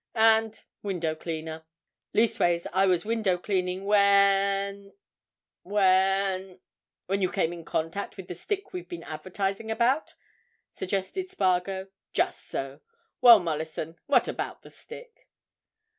And—window cleaner. Leastways, I was window cleaning when—when——" "When you came in contact with the stick we've been advertising about," suggested Spargo. "Just so. Well, Mollison—what about the stick?"